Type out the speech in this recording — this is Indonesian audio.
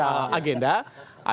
ada poros yang berbicara soal